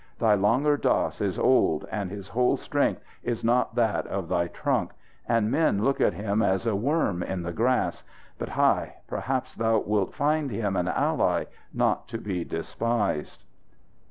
Thy Langur Dass is old, and his whole strength is not that of thy trunk, and men look at him as a worm in the grass. But hai! perhaps thou wilt find him an ally not to be despised!"